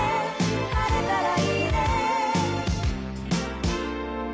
「晴れたらいいね」